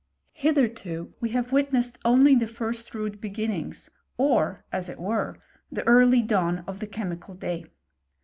Hitherto we have witnessed only the fin beginnings, or, as it were, the early dawn of t mical day.